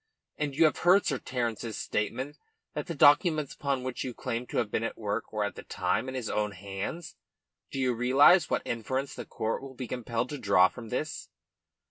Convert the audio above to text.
And you have heard Sir Terence's statement that the documents upon which you claim to have been at work were at the time in his own hands. Do you realise what inference the court will be compelled to draw from this?"